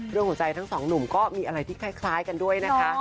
หัวใจทั้งสองหนุ่มก็มีอะไรที่คล้ายกันด้วยนะคะ